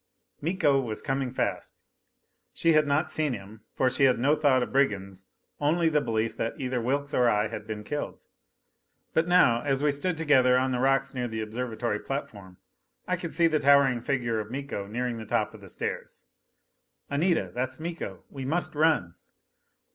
Miko was coming fast! She had not seen him; for she had no thought of brigands only the belief that either Wilks or I had been killed. But now, as we stood together on the rocks near the observatory platform, I could see the towering figure of Miko nearing the top of the stairs. "Anita, that's Miko! We must run!"